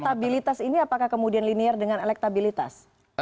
stabilitas ini apakah kemudian linear dengan elektabilitas